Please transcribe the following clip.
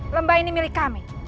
lembah ini milik kami